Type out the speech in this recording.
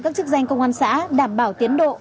các chức danh công an xã đảm bảo tiến độ